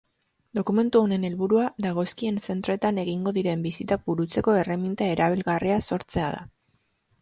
Dokumentu honen helburua dagozkien zentroetan egingo diren bisitak burutzeko erreminta erabilgarria sortzea da.